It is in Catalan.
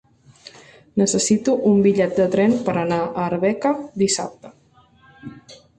Necessito un bitllet de tren per anar a Arbeca dissabte.